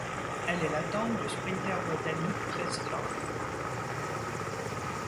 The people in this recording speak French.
Elle est la tante du sprinteur britannique Chris Clarke.